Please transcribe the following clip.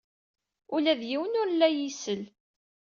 Ula d yiwen ur la iyi-isell.